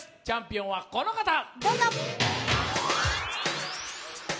チャンピオンはこの方。